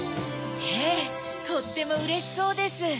ええとってもうれしそうです。